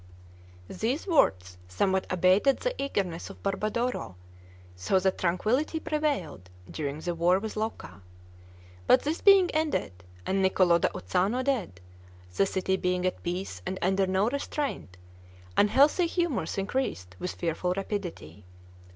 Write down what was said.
These words somewhat abated the eagerness of Barbadoro, so that tranquillity prevailed during the war with Lucca. But this being ended, and Niccolo da Uzzano dead, the city being at peace and under no restraint, unhealthy humors increased with fearful rapidity.